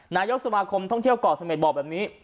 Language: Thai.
นายกสมาคมท่องเที่ยวเกาะเสม็ดบอกแบบนี้